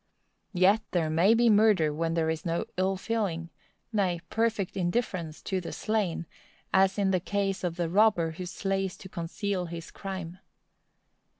Yet there may be murder when there is no ill feeling,—nay, perfect indifference to the slain,—as in the case of the robber who slays to conceal his crime.